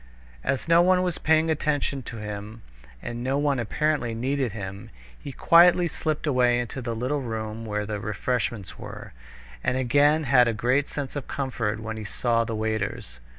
As no one was paying any attention to him, and no one apparently needed him, he quietly slipped away into the little room where the refreshments were, and again had a great sense of comfort when he saw the waiters.